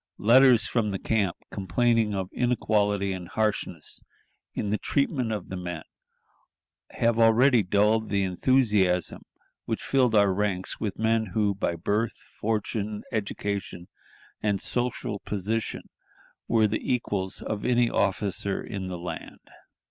Letters from the camp, complaining of inequality and harshness in the treatment of the men, have already dulled the enthusiasm which filled our ranks with men who by birth, fortune, education, and social position were the equals of any officer in the land.